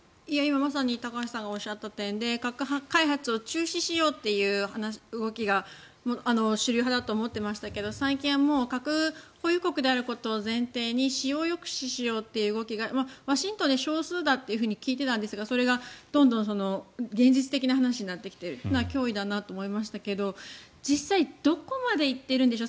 まさに高橋さんがおっしゃった点で核開発を中止しようというのが主流派だと思っていましたが最近は核保有国であることを前提に使用を抑止しようという動きがワシントンでは少数だと聞いていたんですがそれがどんどん現実的な話になってきているのは脅威だなと思いましたが実際どこまで行ってるんでしょう。